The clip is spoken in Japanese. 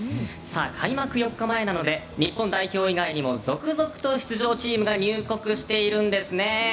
開幕４日前なので日本代表以外にも続々と出場チームが入国しているんですね。